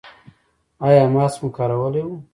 ایا ماسک مو کارولی و؟